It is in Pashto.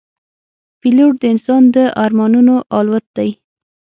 پیلوټ د انسان د ارمانونو الوت دی.